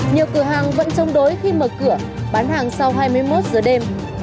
nhiều cửa hàng vẫn chống đối khi mở cửa bán hàng sau hai mươi một giờ đêm